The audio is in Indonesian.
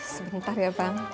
sebentar ya bang